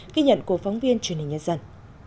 ghi nhận của phóng viên truyền hình nhân dân